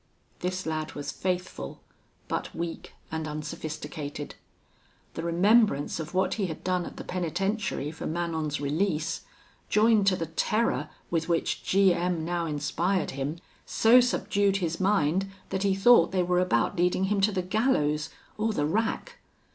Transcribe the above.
"This lad was faithful, but weak and unsophisticated. The remembrance of what he had done at the penitentiary for Manon's release, joined to the terror with which G M now inspired him, so subdued his mind, that he thought they were about leading him to the gallows, or the rack.